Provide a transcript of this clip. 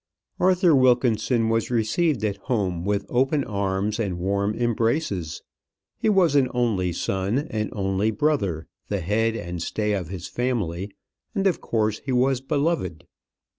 Arthur Wilkinson was received at home with open arms and warm embraces. He was an only son, an only brother, the head and stay of his family; and of course he was beloved.